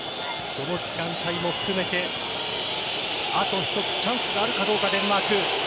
その時間帯も含めてあと一つチャンスがあるかどうかデンマーク。